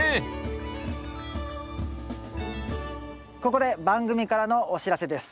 ここで番組からのお知らせです。